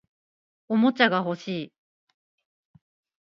おもちゃが欲しい